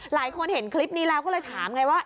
หลายคนเห็นคลิปนี้แล้วก็เลยถามไงว่า